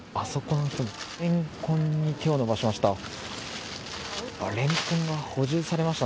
レンコンに手を伸ばしました。